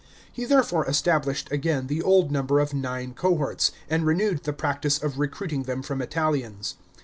He therefore established again the old number ot nine cohorts, and renewed the practice of recruiting them from Italians.